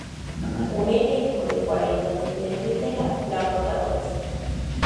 Un elenco de cuarenta títeres de tela la protagoniza.